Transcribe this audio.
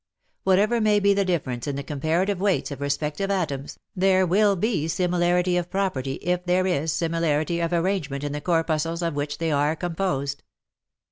Whatever may be the difference in the comparative weights of respective atoms, there will be similarity of property if there is similarity of arrangement in the corpuscles of which they are composed.